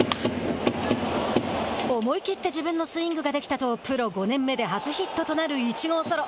思い切って自分のスイングができたとプロ５年目で初ヒットとなる１号ソロ。